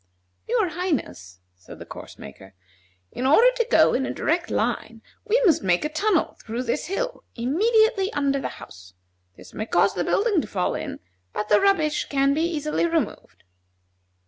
"Your Highness," said the course marker, "in order to go in a direct line we must make a tunnel through this hill, immediately under the house. This may cause the building to fall in, but the rubbish can be easily removed."